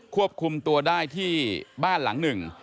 ควบคุมตัวได้ที่บ้านหลังหนึ่ง